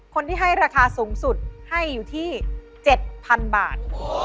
คนที่ให้ราคาสูงสุดให้อยู่ที่๗๐๐๐บาท